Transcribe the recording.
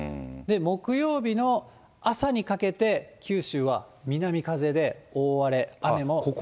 木曜日の朝にかけて、九州は南風で大荒れ、雨も降ります。